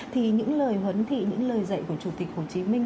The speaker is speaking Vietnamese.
thì những lời huấn thị những lời dạy của chủ tịch hồ chí minh